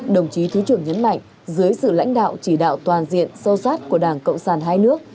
đồng chí thứ trưởng nhấn mạnh dưới sự lãnh đạo chỉ đạo toàn diện sâu sát của đảng cộng sản hai nước